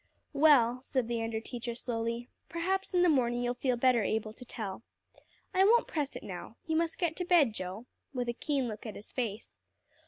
"Well," said the under teacher slowly, "perhaps in the morning you'll feel better able to tell. I won't press it now. You must get to bed, Joe," with a keen look at his face.